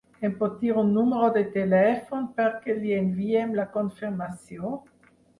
Em pot dir un número de telèfon perquè li enviem la confirmació?